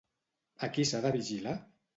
A qui s'ha de vigilar?